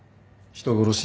人殺し？